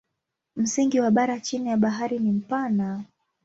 Msingi wa bara chini ya bahari ni mpana.